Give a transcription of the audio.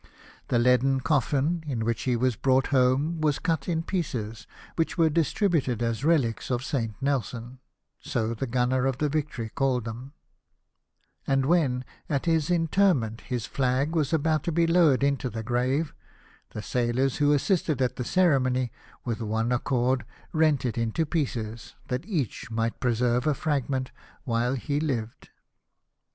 The leaden coffin in which he was brought home Avas cut in pieces, which were distributed as relics of Saint Nelson — so the gunner of the Victory called them ; and when, at his interment, his flag was about to be lowered into the grave, the sailors who assisted at the ceremony with one accord rent it in pieces, that each might preserve a fragment while he lived.